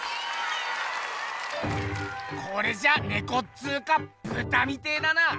これじゃネコっつうかブタみてえだな！